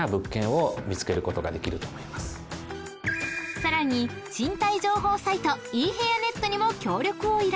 ［さらに賃貸情報サイトいい部屋ネットにも協力を依頼］